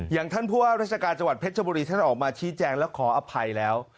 อย่างท่านผู้ว่าราชการจังหวัดเพชรบุรีท่านออกมาชี้แจงแล้วขออภัยแล้ว